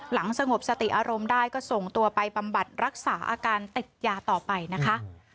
สงบสติอารมณ์ได้ก็ส่งตัวไปบำบัดรักษาอาการติดยาต่อไปนะคะ